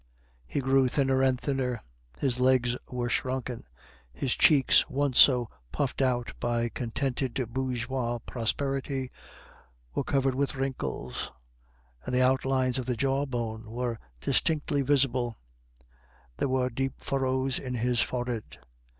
He grew thinner and thinner; his legs were shrunken, his cheeks, once so puffed out by contented bourgeois prosperity, were covered with wrinkles, and the outlines of the jawbones were distinctly visible; there were deep furrows in his forehead.